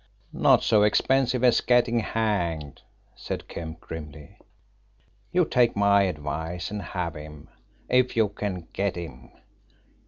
"Not so expensive as getting hanged," said Kemp grimly. "You take my advice and have him if you can get him.